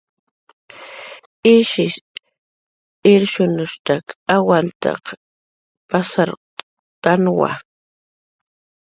Ishis irshunushstak awanta pasarktanwa